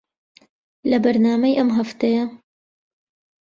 لە بەرنامەی ئەم هەفتەیە